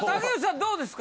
どうですか？